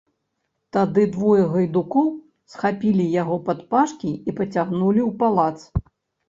Тады двое гайдукоў схапілі яго падпашкі і пацягнулі ў палац.